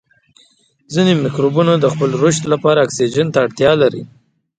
ځینې مکروبونه د خپل رشد لپاره اکسیجن ته اړتیا لري.